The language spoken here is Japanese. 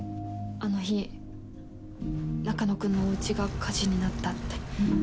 あの日中野くんのおうちが火事になったって。